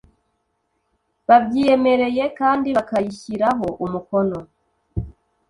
babyiyemereye kandi bakayishyiraho umukono